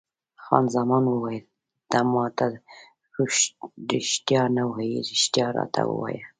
خان زمان وویل: ته ما ته رښتیا نه وایې، رښتیا راته ووایه.